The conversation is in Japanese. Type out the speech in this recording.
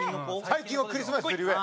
最近はクリスマスより上。